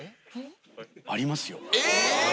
ありますよ。